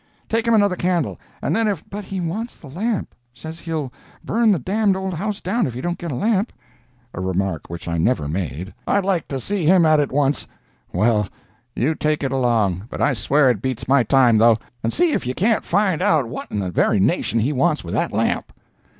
Take him another candle, and then if—" "But he wants the lamp—says he'll burn the d——d old house down if he don't get a lamp!" (a remark which I never made.) "I'd like to see him at it once. Well, you take it along—but I swear it beats my time, though—and see if you can't find out what in the very nation he wants with that lamp."